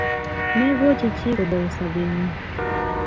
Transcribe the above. Megochi chi kobou sobeng'ung